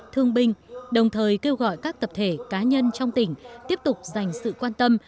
thương binh đồng thời kêu gọi các tập thể cá nhân trong tỉnh tiếp tục dành sự quan tâm